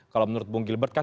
kalau menurut bung gilbert kan